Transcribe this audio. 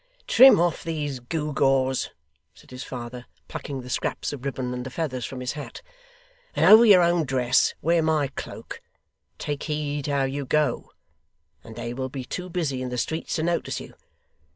'Trim off these gewgaws,' said his father, plucking the scraps of ribbon and the feathers from his hat, 'and over your own dress wear my cloak. Take heed how you go, and they will be too busy in the streets to notice you.